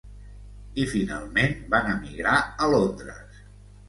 I finalment van emigrar a Londres.